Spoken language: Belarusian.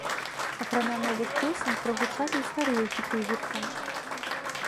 Акрамя новых песень прагучалі і старыя хіты гурта.